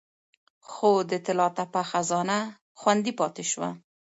خو د طلا تپه خزانه خوندي پاتې شوه